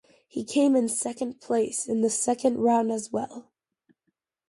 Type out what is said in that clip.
He came in second place in the second round as well.